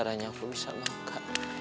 baik ikutin dia